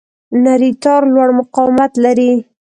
نری تار لوړ مقاومت لري.